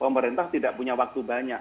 pemerintah tidak punya waktu banyak